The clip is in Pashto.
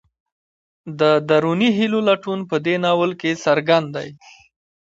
د دروني هیلو لټون په دې ناول کې څرګند دی.